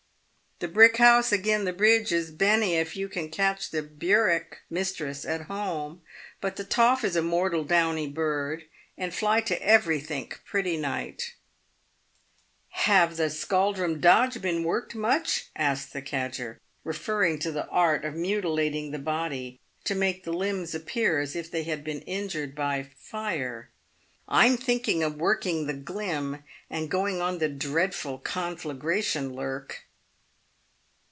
" The brick house agin the bridge is bene if you can catch the ' burerk' (mistress) at home, but the ' toff' is a mortal downy bird, and ily to every think pretty night !"" Have the scaldrum dodge been worked much ?" asked the cadger, referring to the art of mutilating the body to make the limbs appear as if they had been injured by fire. " I'm thinking of working the * glim,' and going on the dreadful conflagrashun lurk."